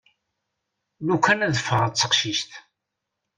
Lukan ad ffɣeɣ d teqcict.